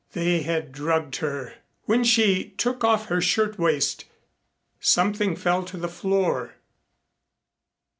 They had drugged her. When she took off her shirtwaist something fell to the floor.